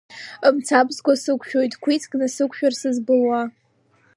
Мцабзқәак сыкәшоит, кәицк насықәшәар, сызбылуа.